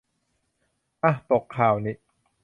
อ๊ะ ตกข่าวนิ